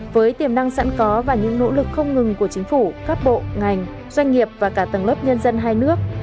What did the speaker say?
với tiềm năng sẵn có và những nỗ lực không ngừng của chính phủ các bộ ngành doanh nghiệp và cả tầng lớp nhân dân hai nước